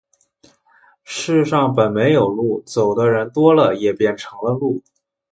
世上本没有路，走的人多了，也便成了路。